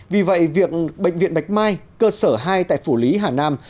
vì vậy việc bệnh viện bạch mai cơ sở hai tại phủ lý hà nam